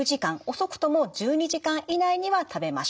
遅くとも１２時間以内には食べましょうと。